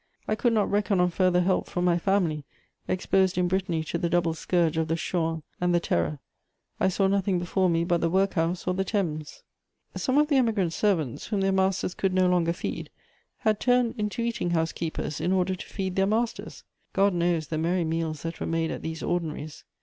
I could not reckon on further help from my family, exposed in Brittany to the double scourge of the Chouans and the Terror. I saw nothing before me but the workhouse or the Thames. [Sidenote: A contrast.] Some of the Emigrants' servants, whom their masters could no longer feed, had turned into eating house keepers in order to feed their masters. God knows the merry meals that were made at these ordinaries!